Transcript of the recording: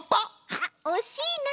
あっおしいな。